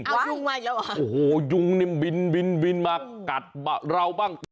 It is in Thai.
โอ้โหยุงเนี่ยมันบินมากัดบ้าง